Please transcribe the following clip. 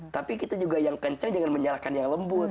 tapi kita juga yang kencang jangan menyalahkan yang lembut